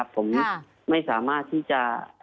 ผมไม่สามารถที่จะ